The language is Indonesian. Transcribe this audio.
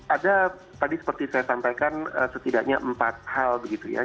ada tadi seperti saya sampaikan setidaknya empat hal begitu ya